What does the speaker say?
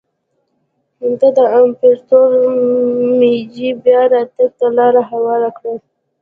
دا د امپراتور مېجي بیا راتګ ته لار هواره کړه.